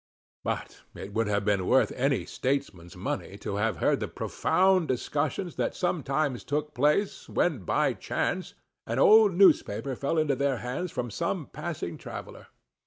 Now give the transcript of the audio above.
But it would have been worth any statesman's money to have heard the profound discussions that sometimes took place, when by chance an old newspaper fell into their hands from some passing traveller.